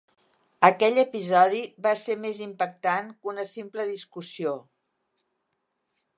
Aquell episodi va ser més impactant que una simple discussió.